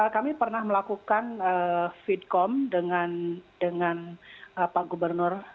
kami pernah melakukan feedcom dengan pak gubernur